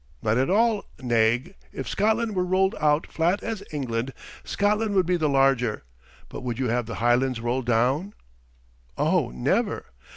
"Not at all, Naig; if Scotland were rolled out flat as England, Scotland would be the larger, but would you have the Highlands rolled down?" Oh, never!